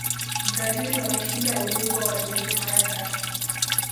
brazil wameshinda ubingwa wa dunia mara tano